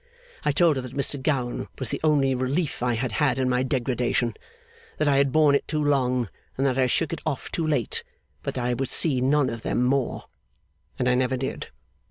I told her that Mr Gowan was the only relief I had had in my degradation; that I had borne it too long, and that I shook it off too late; but that I would see none of them more. And I never did.